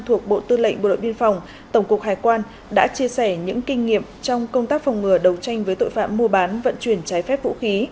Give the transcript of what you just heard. thuộc bộ tư lệnh bộ đội biên phòng tổng cục hải quan đã chia sẻ những kinh nghiệm trong công tác phòng ngừa đấu tranh với tội phạm mua bán vận chuyển trái phép vũ khí